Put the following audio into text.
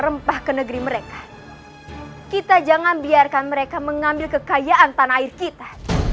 rempah ke negeri mereka kita jangan biarkan mereka mengambil kekayaan tanah air kita